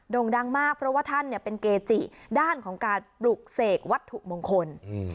่งดังมากเพราะว่าท่านเป็นเกจิด้านของการปลุกเสกวัตถุมงคล